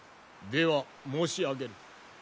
では申し上げる。